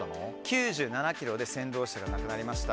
９７ｋｍで先導車がなくなりました